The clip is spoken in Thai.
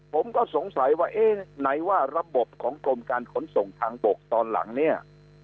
ผมก็สงสัยว่าเอ๊ะไหนว่าระบบของกรมการขนส่งทางบกตอนหลังเนี่ย